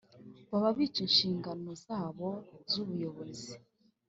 baba bica inshingano zabo z’ubuyobozi